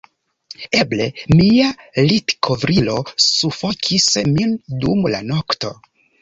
Eble mia litkovrilo sufokis min dum la nokto...